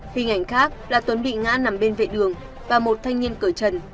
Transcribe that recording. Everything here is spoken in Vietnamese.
hình ảnh khác là tuấn bị ngã nằm bên vệ đường và một thanh niên cởi chân